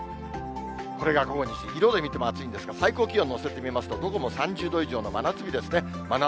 これが午後２時、色で見ても暑いんですが、最高気温のせてみますと、午後も３０度以上の真夏日ですね。